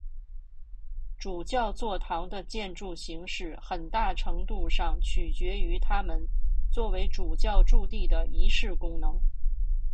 主教座堂的建筑形式很大程度上取决于它们作为主教驻地的仪式功能。